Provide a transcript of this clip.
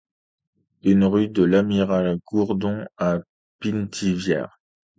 Une rue de l'Amiral Gourdon à Pithiviers.